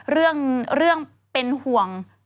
เรื่องเป็นห่วง